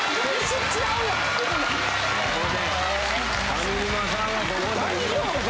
上沼さんはここ。